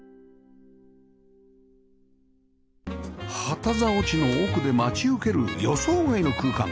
旗竿地の奥で待ち受ける予想外の空間